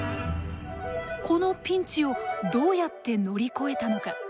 このピンチをどうやって乗り越えたのか。